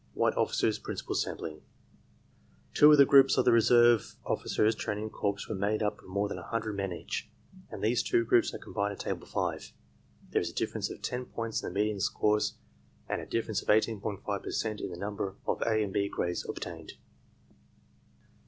. White officers' principal sampling 3,146 15,385 166 ARMY MENTAL TESTS Two of the groups of the Reserve Officers' Training Corps were made up of more than a hundred men each, and these two groups are compared in Table 5. There is a difference of ten points in the median scores and a difference of 18.5 per cent in the number of A and B grades obtained.